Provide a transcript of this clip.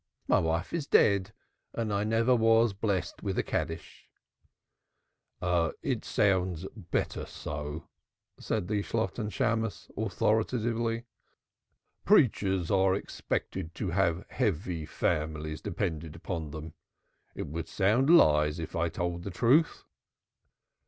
"My wife is dead and I never was blessed with a Kaddish." "It sounds better so," said the Shalotten Shammos authoritatively. "Preachers are expected to have heavy families dependent upon them. It would sound lies if I told the truth."